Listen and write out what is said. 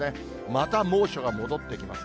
また猛暑が戻ってきます。